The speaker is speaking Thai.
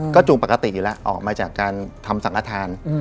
ก็จูงปกติอยู่แล้วออกมาจากการทำสังฆฐาน